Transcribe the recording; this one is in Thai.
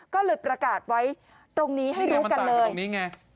ก็เลยประกาศไว้ตรงนี้ให้รู้กันเลย